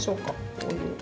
こういう。